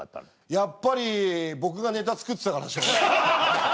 やっぱり僕がネタ作ってたからでしょうね。